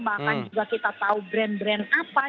bahkan juga kita tahu brand brand apa